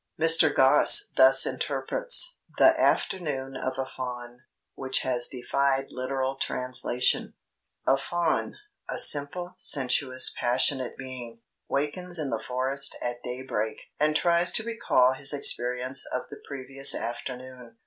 Mr. Gosse thus interprets "The Afternoon of a Faun," which has defied literal translation: "A faun a simple, sensuous, passionate being wakens in the forest at daybreak and tries to recall his experience of the previous afternoon.